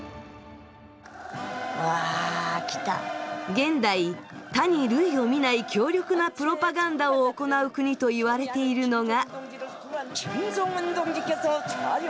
現代他に類を見ない強力なプロパガンダを行う国といわれているのが。